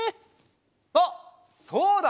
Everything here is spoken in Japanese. あっそうだ！